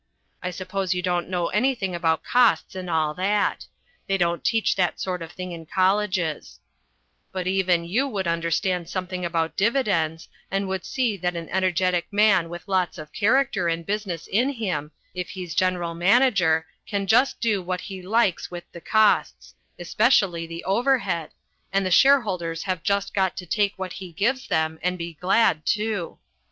I suppose you don't know anything about costs and all that they don't teach that sort of thing in colleges but even you would understand something about dividends and would see that an energetic man with lots of character and business in him, If he's general manager can just do what he likes with the costs, especially the overhead, and the shareholders have just got to take what he gives them and be glad to.